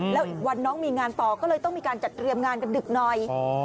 แล้วอีกวันน้องมีงานต่อก็เลยต้องมีการจัดเตรียมงานกันดึกหน่อย